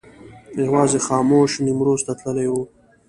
یوازې خاموش نیمروز ته تللی و.